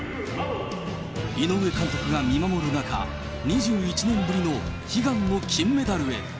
井上監督が見守る中、２１年ぶりの悲願の金メダルへ。